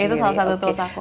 itu salah satu tools aku